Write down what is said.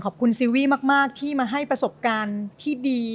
ขอบคุณซิวีมากที่มาให้ประสบการณ์ที่ดี